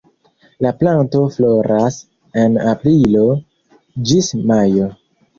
La planto floras en aprilo ĝis majo.